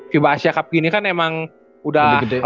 fiba asia cup gini kan emang udah lama ya